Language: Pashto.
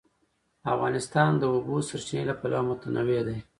افغانستان د د اوبو سرچینې له پلوه متنوع دی.